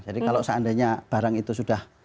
jadi kalau seandainya barang itu sudah